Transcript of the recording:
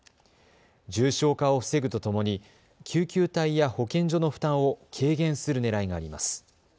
重症化を防ぐとともに救急隊や保健所の負担を軽減するねらいがあります。